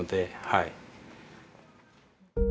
はい。